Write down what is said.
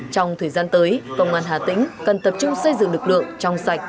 trong thời gian tới công an hà tĩnh cần tập trung xây dựng lực lượng trong sạch